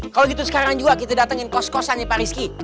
kalau gitu sekarang juga kita datengin kos kosannya pak rizky